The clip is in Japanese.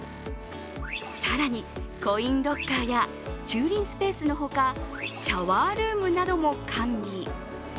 更に、コインロッカーや駐輪スペースの他、シャワールームなども完備。